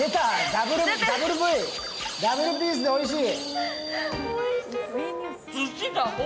ダブルビースでおいしい？